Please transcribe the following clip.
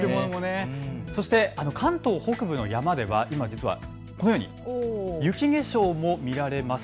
関東北部の山では今、実はこのように雪化粧も見られます。